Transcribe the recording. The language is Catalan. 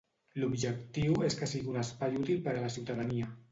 L'objectiu és que sigui un espai útil per a la ciutadania.